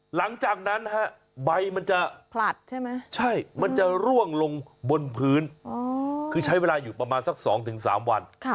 หลังจากนั้นใบมันจะผลัดใช่ไหมใช่มันจะร่วงลงบนพื้นคือใช้เวลาอยู่ประมาณสัก๒๓วัน